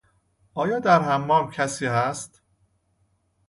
آیا در حمام کسی هست؟